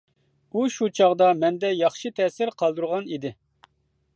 ئۇ شۇ چاغدا مەندە ياخشى تەسىر قالدۇرغان ئىدى.